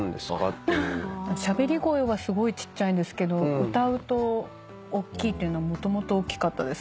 しゃべり声はすごいちっちゃいんですけど歌うとおっきいっていうのはもともとおっきかったですね。